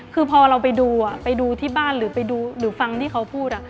คือพอเราไปดูไปดูที่บ้านหรือไปดูหรือฟังที่เขาพูด